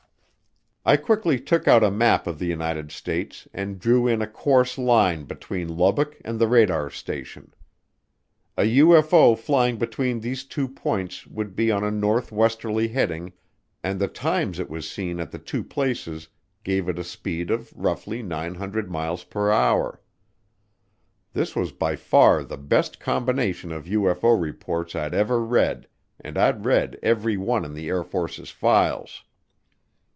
I quickly took out a map of the United States and drew in a course line between Lubbock and the radar station. A UFO flying between these two points would be on a northwesterly heading and the times it was seen at the two places gave it a speed of roughly 900 miles per hour. This was by far the best combination of UFO reports I'd ever read and I'd read every one in the Air Force's files.